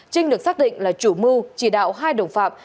trinh được xác định là chủ mưu chỉ đạo hai đồng phạm